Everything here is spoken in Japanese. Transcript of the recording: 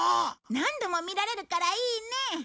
何度も見られるからいいね。